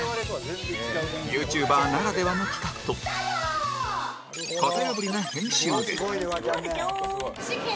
ＹｏｕＴｕｂｅｒ ならではの企画と型破りな編集で